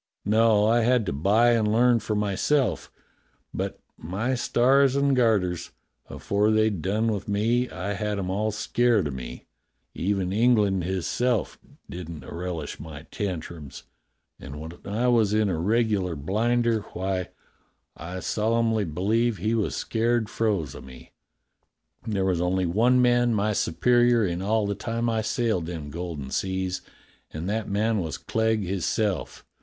No, I had to buy and learn for myself, but, my stars and garters ! afore they'd done with me I had 'em all scared o' me. Even England hisself didn't a relish my tantrums; and 162 DOCTOR SYN when I was in a regular blinder, why, I solemnly be lieves he was scared froze o' me. There was only one man my superior in all the time I sailed them golden seas, and that man was Clegg hisself.